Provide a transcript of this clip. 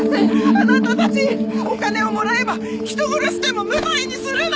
あなたたちお金をもらえば人殺しでも無罪にするの？